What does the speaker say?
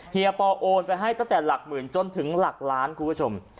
เฮียปอโอนไปให้ตั้งแต่หลักหมื่นจนถึงหลักล้านคุณผู้ชม